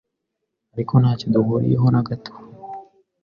Ariko ntacyo duhuriyeho na gato.